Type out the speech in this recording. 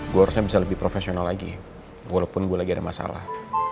gue harusnya bisa lebih profesional lagi walaupun gue lagi ada masalah